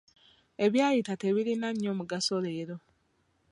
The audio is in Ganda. Ebyayita tebirina nnyo mugaso leero.